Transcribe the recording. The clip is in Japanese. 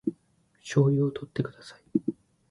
醤油をとってください